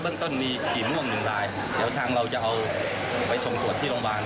เรื่องต้นมีกี่ม่วงหนึ่งรายเดี๋ยวทางเราจะเอาไปส่งตรวจที่โรงพยาบาล